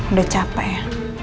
udah capek ya